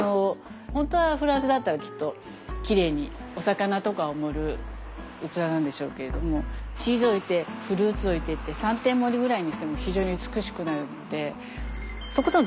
本当はフランスだったらきっとキレイにお魚とかを盛る器なんでしょうけれどもチーズ置いてフルーツ置いてって三点盛りぐらいにしても非常に美しくなるのでとことん使ってみる。